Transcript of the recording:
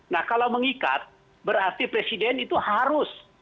nah kalau mengikat berarti presiden itu harus